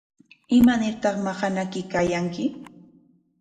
¿Imanartaq maqanakuykaayanki?